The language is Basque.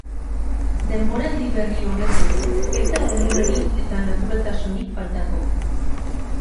Denboraldi berri honetan ez da umorerik eta naturaltasunik faltako.